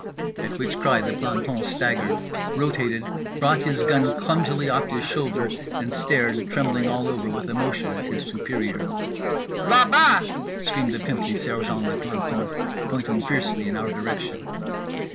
_" At which cry the planton staggered, rotated, brought his gun clumsily off his shoulder, and stared, trembling all over with emotion, at his superior. "Là bas!" screamed the pimply sergeant de plantons, pointing fiercely in our direction.